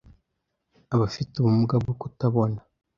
abafite ubumuga bwo kutabona